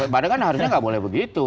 padahal kan harusnya nggak boleh begitu